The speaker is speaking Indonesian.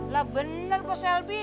lah bener pok selvi